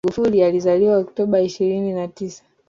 Magufuli alizaliwa Oktoba ishirini na tisa